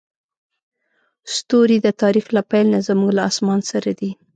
ستوري د تاریخ له پیل نه زموږ له اسمان سره دي.